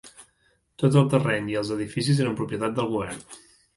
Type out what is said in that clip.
Tot el terreny i els edificis eren propietat del govern.